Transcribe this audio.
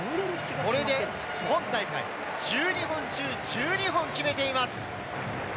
これで、今大会、１２本中１２本決めています！